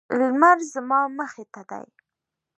لمر زما مخې ته دی